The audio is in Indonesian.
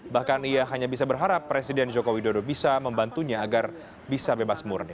bahkan ia hanya bisa berharap presiden joko widodo bisa membantunya agar bisa bebas murni